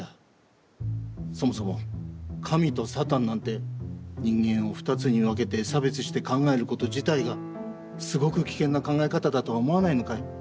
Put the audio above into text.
そもそも神とサタンなんて人間を２つに分けて差別して考えること自体がすごく危険な考え方だとは思わないのかい？